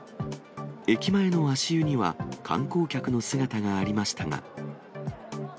駅前の足湯には、観光客の姿がありましたが。